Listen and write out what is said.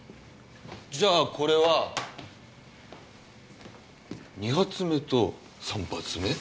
じゃあこれは２発目と３発目？